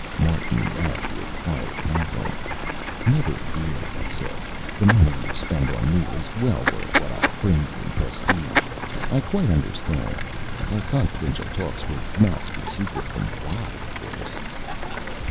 Martin laughed with quiet confidence. "Never fear," he said. "The money you spend on me is well worth what I'll bring you in prestige. I quite understand. Our confidential talks were not to be secret from Watt, of course."